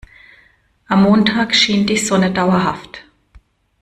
Am Montag schien die Sonne dauerhaft.